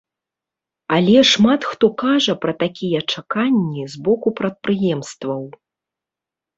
Але шмат хто кажа пра такія чаканні з боку прадпрыемстваў.